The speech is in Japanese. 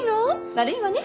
悪いわね。